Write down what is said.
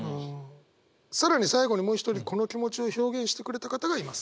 更に最後にもう一人この気持ちを表現してくれた方がいます。